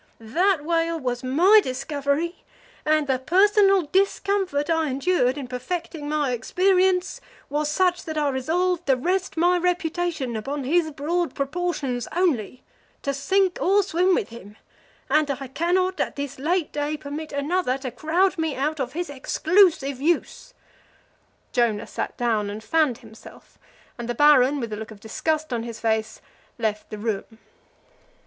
That whale was my discovery, and the personal discomfort I endured in perfecting my experience was such that I resolved to rest my reputation upon his broad proportions only to sink or swim with him and I cannot at this late day permit another to crowd me out of his exclusive use." Jonah sat down and fanned himself, and the Baron, with a look of disgust on his face, left the room.